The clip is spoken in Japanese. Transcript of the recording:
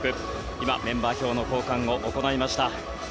今、メンバー表の交換を行いました。